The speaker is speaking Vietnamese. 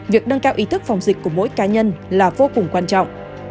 việc nâng cao ý thức phòng dịch của mỗi cá nhân là vô cùng quan trọng